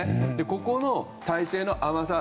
ここの態勢の甘さ。